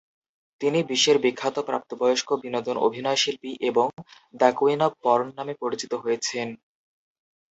তিনি বিশ্বের বিখ্যাত প্রাপ্তবয়স্ক বিনোদন অভিনয়শিল্পী এবং "দ্য কুইন অব পর্ন" নামে পরিচিত হয়েছেন।